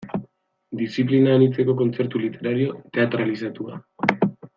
Diziplina anitzeko kontzertu literario teatralizatua.